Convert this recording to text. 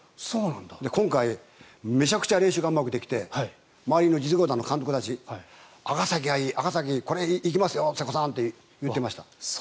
今回、めちゃくちゃ練習がうまくできて、周りの実業団の監督たちが赤崎行きますよ瀬古さんって言ってました。